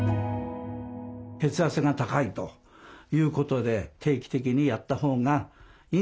血圧が高いということで定期的にやったほうがいいんではないかと。